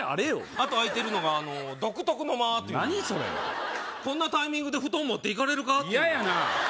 あと空いてるのが独特の間何それこんなタイミングで布団持っていかれるかっていう嫌やな